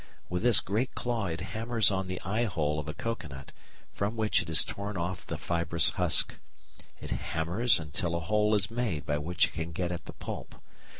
With this great claw it hammers on the "eye hole" of a coconut, from which it has torn off the fibrous husk. It hammers until a hole is made by which it can get at the pulp.